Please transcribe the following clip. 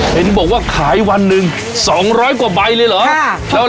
เห็นบอกว่าขายวันหนึ่ง๒๐๐กว่าใบเลยเหรอ